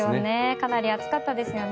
かなり暑かったですよね。